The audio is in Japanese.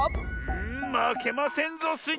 んまけませんぞスイ